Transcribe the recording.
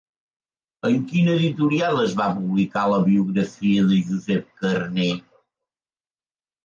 En quina editorial es va publicar la biografia de Josep Carner?